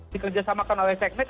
dikerjasamakan oleh teknik